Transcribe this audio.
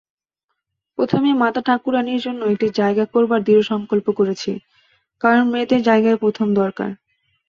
প্রথমে মাতাঠাকুরাণীর জন্য একটি জায়গা করবার দৃঢ়সঙ্কল্প করেছি, কারণ মেয়েদের জায়গাই প্রথম দারকার।